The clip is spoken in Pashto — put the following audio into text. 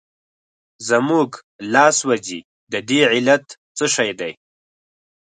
زموږ لاس سوځي د دې علت څه شی دی؟